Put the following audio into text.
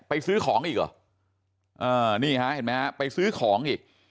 ซื้อของอีกเหรอนี่ฮะเห็นไหมฮะไปซื้อของอีก